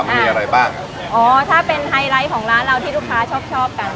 มีอะไรบ้างอ๋อถ้าเป็นไฮไลท์ของร้านเราที่ลูกค้าชอบชอบกัน